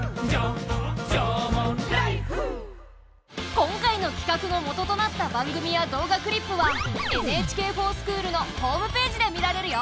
今回の企画のもととなった番組や動画クリップは「ＮＨＫｆｏｒＳｃｈｏｏｌ」のホームページで見られるよ。